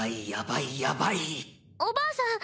おばあさん